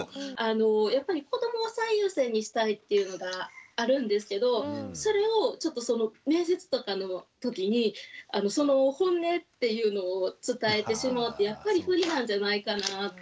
やっぱり子どもを最優先にしたいっていうのがあるんですけどそれをちょっと面接とかのときにその本音っていうのを伝えてしまうってやっぱり不利なんじゃないかなと。